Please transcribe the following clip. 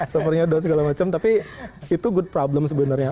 servernya udah segala macem tapi itu good problem sebenarnya